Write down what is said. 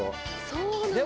そうなんですね！